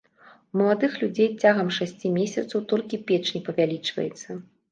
У маладых людзей цягам шасці месяцаў толькі печань павялічваецца.